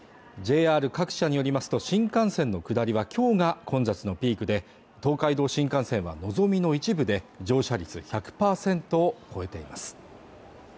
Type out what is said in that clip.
ＪＲ各社によりますと新幹線の下りはきょうが混雑のピークで東海道新幹線はのぞみの一部で乗車率１００％を超えています